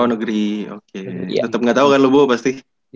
oh negeri oke tetep gak tau kan lu boh pasti